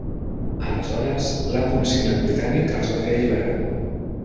Aleshores, l'Alt Comissionat Britànic els va fer alliberar.